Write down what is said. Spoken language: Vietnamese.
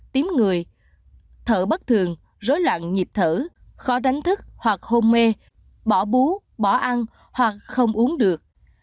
tím người thở bất thường rối loạn nhịp thở khó đánh thức hoặc hôn mê bỏ bú bỏ ăn hoặc không uống được